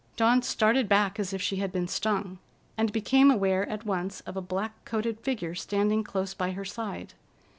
Dawn started back as if she had been stung, and became aware at once of a black coated figure standing close by her side.